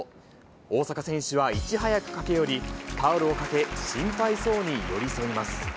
大坂選手はいち早く駆け寄り、タオルを掛け、心配そうに寄り添います。